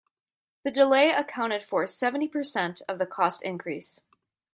The delay accounted for seventy percent of the cost increase.